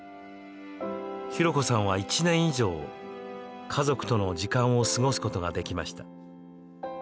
浩子さんは１年以上、家族との時間を過ごすことができました。